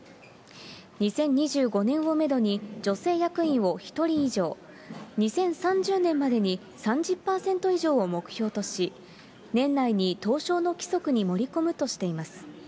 ２０２５年をメドに、女性役員を１人以上、２０３０年までに３０％以上を目標とし、年内に東証の規則に盛り込むとしています。